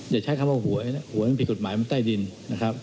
อย่าใช้คำว่าหวยนะหวยมันผิดกฎหมายมันใต้ดินนะครับ